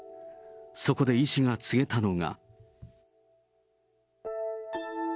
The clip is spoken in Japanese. そこで医師が告げたのが。